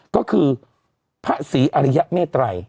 ก็คือภสีอริยาเมตรัย